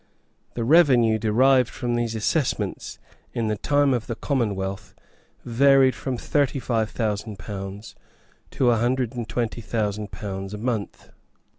The revenue derived from these assessments in the time of the Commonwealth varied from thirty five thousand pounds to a hundred and twenty thousand pounds a month.